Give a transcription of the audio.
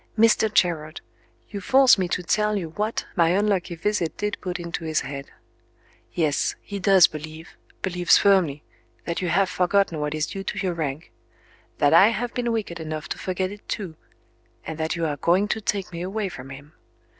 Mr. Gerard, you force me to tell you what my unlucky visit did put into his head. Yes, he does believe believes firmly that you have forgotten what is due to your rank; that I have been wicked enough to forget it too; and that you are going to take me away from him.